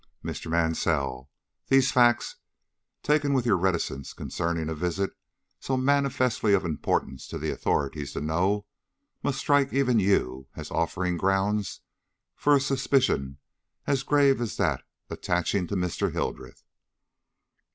"Mr. Mansell, these facts, taken with your reticence concerning a visit so manifestly of importance to the authorities to know, must strike even you as offering grounds for a suspicion as grave as that attaching to Mr. Hildreth."